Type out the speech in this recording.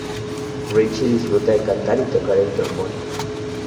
Richie disfruta de cantar y tocar el trombón.